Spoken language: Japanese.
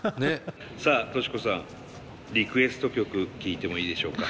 さあトシコさんリクエスト曲聞いてもいいでしょうか。